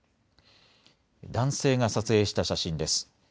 男性が撮影した写真です。